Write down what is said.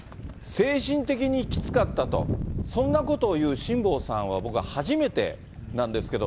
精神的にきつかったと、そんなことを言う辛坊さんは僕は初めてなんですけど。